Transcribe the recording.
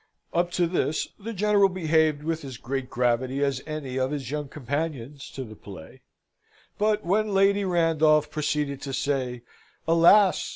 Up to this the General behaved with as great gravity as any of his young companions to the play; but when Lady Randolph proceeded to say, "Alas!